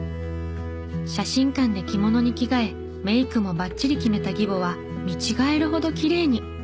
写真館で着物に着替えメイクもバッチリ決めた義母は見違えるほどきれいに。